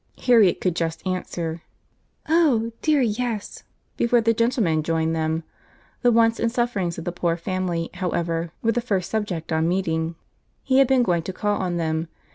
Harriet could just answer, "Oh! dear, yes," before the gentleman joined them. The wants and sufferings of the poor family, however, were the first subject on meeting. He had been going to call on them.